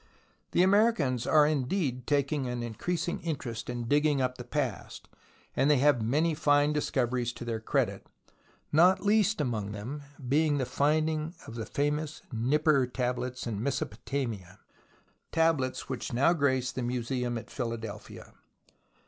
The Americans are indeed taking an increasing interest in digging up the past, and they have many fine discoveries to their credit, not least among them being the finding of the famous Nippur tablets in Meso potamia, tablets which now grace the museum at Philadelphia.